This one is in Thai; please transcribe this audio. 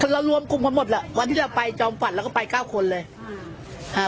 เรารวมกลุ่มกันหมดแหละวันที่เราไปจอมฝันเราก็ไปเก้าคนเลยอืมอ่า